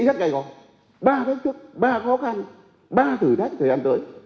ba phép thức ba khó khăn ba thử thách thời gian tới